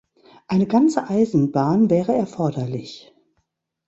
Eine ganze Eisenbahn wäre erforderlich.